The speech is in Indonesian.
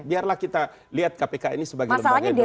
biarlah kita lihat kpk ini sebagai lembaga yang